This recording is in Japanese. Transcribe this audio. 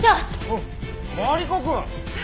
おっマリコくん！